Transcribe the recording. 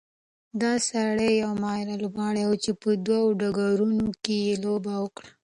دا سړی یو ماهر لوبغاړی و چې په دوه ډګرونو کې یې لوبه وکړه.